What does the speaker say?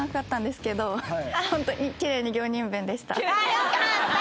よかった。